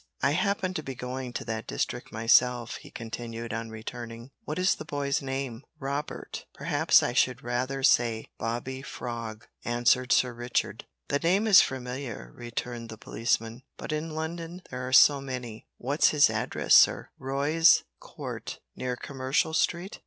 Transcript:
"I happen to be going to that district myself," he continued on returning, "what is the boy's name?" "Robert perhaps I should rather say Bobby Frog," answered Sir Richard. "The name is familiar," returned the policeman, "but in London there are so many what's his address, sir, Roy's Court, near Commercial Street?